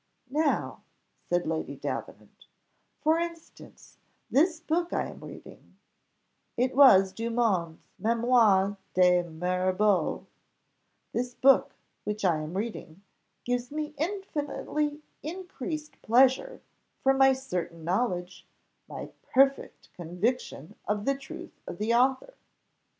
"Now," said Lady Davenant, "for instance, this book I am reading (it was Dumont's 'Mémoires de Mirabeau') this book which I am reading, gives me infinitely increased pleasure, from my certain knowledge, my perfect conviction of the truth of the author.